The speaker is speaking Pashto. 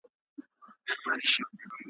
یو د بل په صفتونو به ګویان وه `